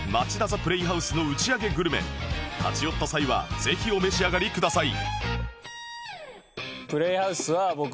立ち寄った際はぜひお召し上がりください